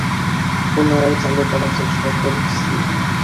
পুনরায় চালু করার চেষ্টা করছি।